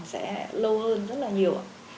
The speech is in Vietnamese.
sẽ lâu hơn rất là nhiều